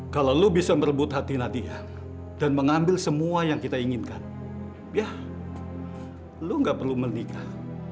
kalau lo bisa merebut hati hati ya dan mengambil semua yang kita inginkan ya lu gak perlu menikah